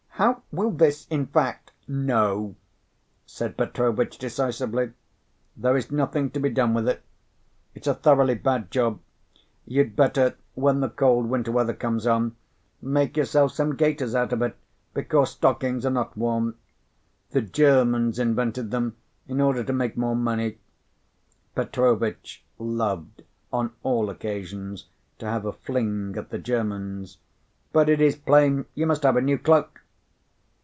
How will this, in fact " "No," said Petrovitch decisively, "there is nothing to be done with it. It's a thoroughly bad job. You'd better, when the cold winter weather comes on, make yourself some gaiters out of it, because stockings are not warm. The Germans invented them in order to make more money." Petrovitch loved, on all occasions, to have a fling at the Germans. "But it is plain you must have a new cloak."